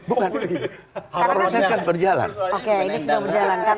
oke ini sudah berjalan karena kan ini